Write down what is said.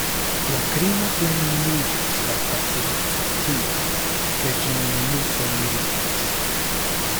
La krimo plenumiĝis laŭ facileco tia, ke ĝi min multe mirigis.